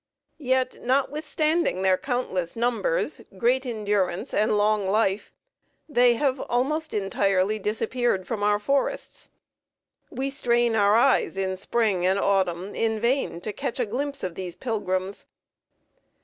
Yet, notwithstanding their countless numbers, great endurance, and long life, they have almost entirely disappeared from our forests. We strain our eyes in spring and autumn in vain to catch a glimpse of these pilgrims.